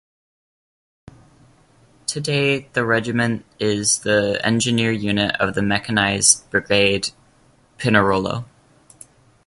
Today the regiment is the engineer unit of the Mechanized Brigade "Pinerolo".